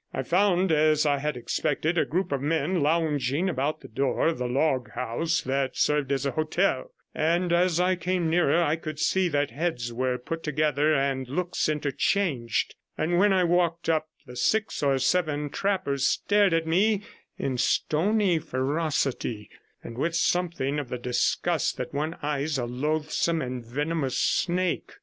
I found, as I had expected, a group of men lounging about the door of the log house that served as a hotel, and as I came nearer I could see that heads were put together and looks interchanged, and when I walked up the six or seven trappers stared at me in stony ferocity, and with something of the disgust that one eyes a loathsome and venomous snake.